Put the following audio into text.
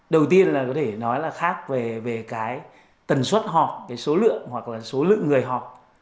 đầu tiên là có thể nói là khác về cái tần suất họp cái số lượng hoặc là số lượng người họp